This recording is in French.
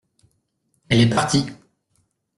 Elle est partie.